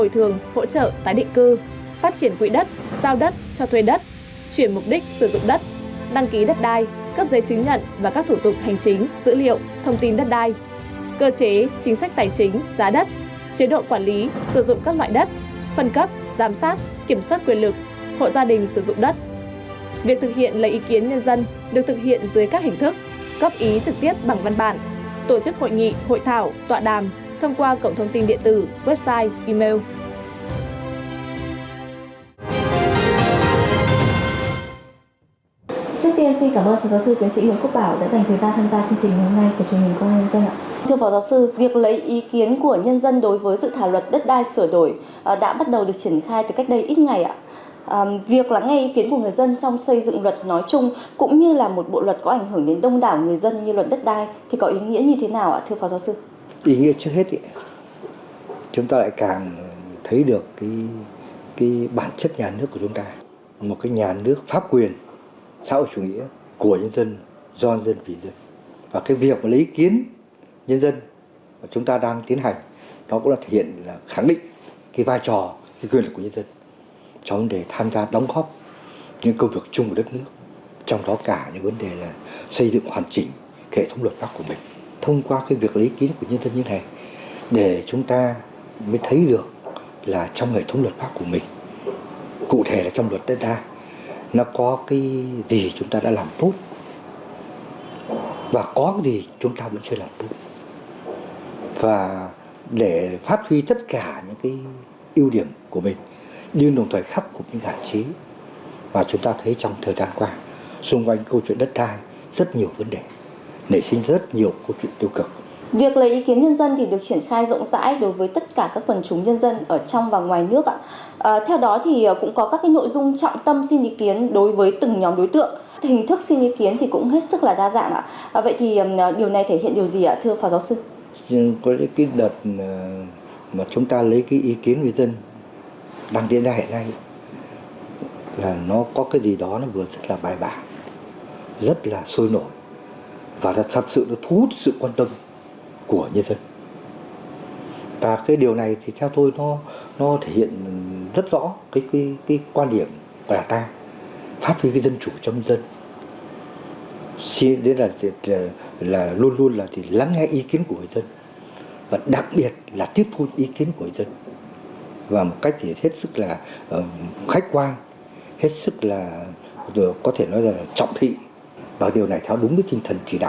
theo đó sẽ lấy ý kiến về một số vấn đề trọng tâm của dự thảo luật gồm quy hoạch kế hoạch sử dụng đất thu hồi đất và chính sách bồi thường hỗ trợ tái định cư phát triển quỹ đất giao đất cho thuê đất chuyển mục đích sử dụng đất đăng ký đất đai cấp giấy chứng nhận và các thủ tục hành chính dữ liệu thông tin đất đai cơ chế chính sách tài chính giá đất chế độ quản lý sử dụng các loại đất phân cấp giám sát kiểm soát quyền lực hộ gia đình sử dụng đất